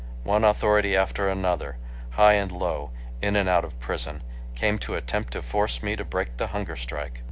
One authority after another, high and low, in and out of prison, came to attempt to force me to break the hunger strike.